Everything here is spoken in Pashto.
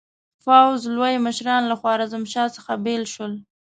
پوځ لوی مشران له خوارزمشاه څخه بېل شول.